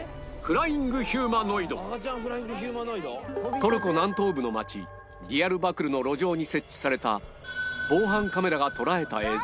トルコ南東部の町ディヤルバクルの路上に設置された防犯カメラが捉えた映像